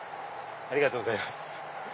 ありがとうございます。